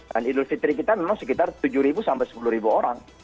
dan idul fitri kita memang sekitar tujuh sampai sepuluh orang